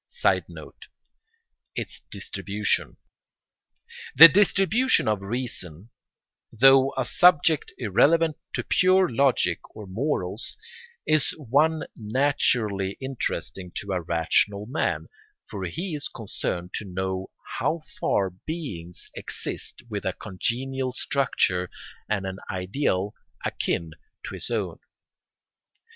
[Sidenote: Its distribution.] The distribution of reason, though a subject irrelevant to pure logic or morals, is one naturally interesting to a rational man, for he is concerned to know how far beings exist with a congenial structure and an ideal akin to his own.